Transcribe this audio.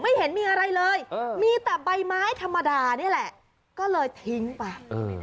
เห็นมีอะไรเลยมีแต่ใบไม้ธรรมดานี่แหละก็เลยทิ้งไป